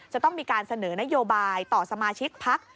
จะต้องมีการเสนอนโยบายต่อสมาชิกพัก